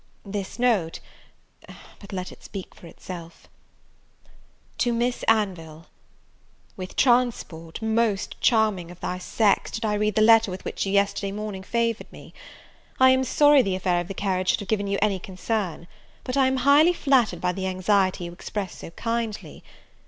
This note, but let it speak for itself. "To Miss Anville. "With transport, most charming of thy sex, did I read the letter with which you yesterday morning favoured me. I am sorry the affair of the carriage should have given you any concern, but I am highly flattered by the anxiety you express so kindly.